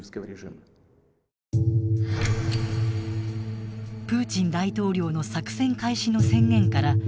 プーチン大統領の作戦開始の宣言から２５分後。